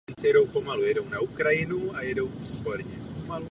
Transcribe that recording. Dalším bodem je prohlášení Komise k mediálnímu zákonu v Maďarsku.